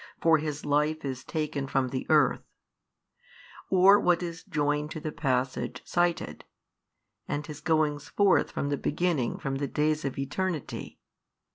for His Life is taken from the earth, or what is joined to the passage cited, And His goings forth from the beginning from the days of eternity.